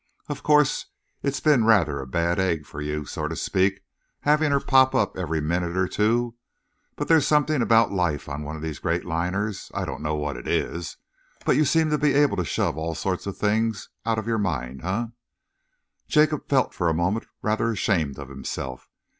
Of course, it's been rather a bad egg for you, so to speak, having her pop up every minute or two, but there's something about life on one of these great liners I don't know what it is, but you seem to be able to shove all sorts of things out of your mind, eh?" Jacob felt for a moment rather ashamed of himself.